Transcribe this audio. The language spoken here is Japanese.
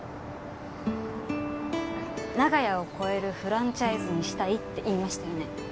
長屋を超えるフランチャイズにしたいって言いましたよね。